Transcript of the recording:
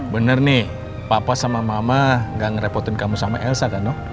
bener nih papa sama mama gak ngerepotin kamu sama elsa kan